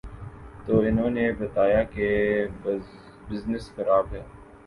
تو انہوں نے بتایا کہ بزنس خراب ہے۔